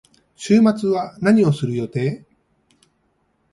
週末は何をする予定？